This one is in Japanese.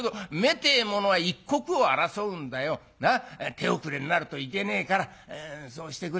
手遅れになるといけねえからそうしてくれ」。